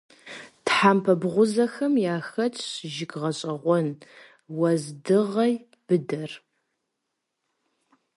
Тхьэмпэ бгъузэхэм яхэтщ жыг гъэщӀэгъуэн - уэздыгъей быдэр.